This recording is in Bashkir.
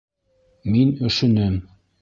Мин өшөнөм.